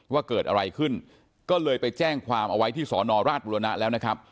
ว่าเกิดอะไรขึ้นก็เลยไปแจ้งความเอาไว้ที่สอนอราชบุรณะแล้วนะครับ